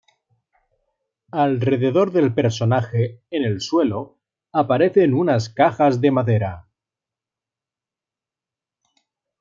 Alrededor del personaje, en el suelo, aparecen unas cajas de madera.